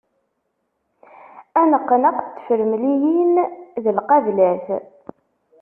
Aneqneq n tefremliyin d lqablat.